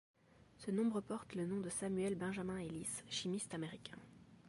Ce nombre porte le nom de Samuel Benjamin Ellis, chimiste américain.